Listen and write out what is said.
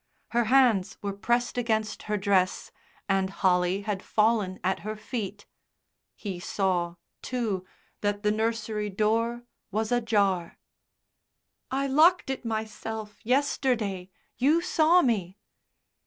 Her hands were pressed against her dress and holly had fallen at her feet. He saw, too, that the nursery door was ajar. "I locked it myself, yesterday; you saw me."